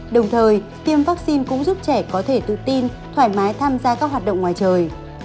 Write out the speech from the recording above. đồng thời tiêm vaccine cũng giúp trẻ có thể tự tin thoải mái tham gia các hoạt động ngoài trời